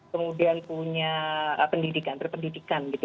kemudian punya pendidikan berpendidikan gitu